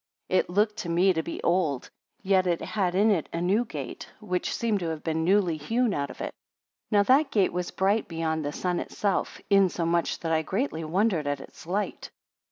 14 It looked to me to be old, yet it had in it a new gate, which seemed to have been newly hewn out of it. Now that gate was bright beyond the sun itself; insomuch, that I greatly wondered at its light.